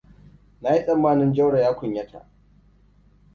Na yi tsammanin Jauroa ya kunyata.